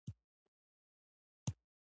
د دوی لومړنیو اړتیاوو تامینیدو سره مرسته کوي.